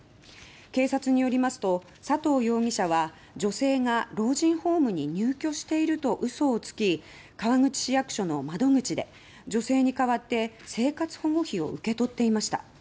警察によりますと佐藤容疑者は女性が老人ホームに入居していると嘘をつき川口市役所の窓口で女性に代わって生活保護費を受け取っていました。